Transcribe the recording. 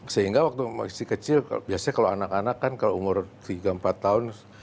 sehingga waktu masih kecil biasanya kalau anak anak kan kalau umur tiga empat tahun